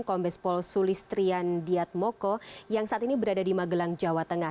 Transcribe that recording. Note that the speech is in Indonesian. kombes pol sulistrian diatmoko yang saat ini berada di magelang jawa tengah